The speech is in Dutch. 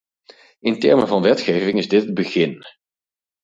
In termen van wetgeving is dit het begin.